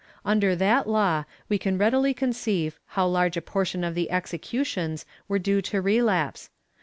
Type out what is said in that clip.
Under that law, we can readily conceive how large a portion of the executions were due to relapse.